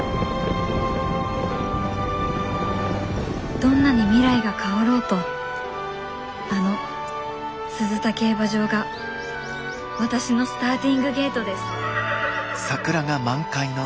どんなに未来が変わろうとあの鈴田競馬場が私のスターティングゲートです